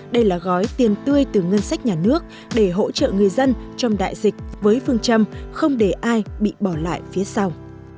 đây là gói tiền tươi từ ngân sách nhà nước để hỗ trợ người dân trong đại dịch với phương châm không để ai bị bỏ lại phía sau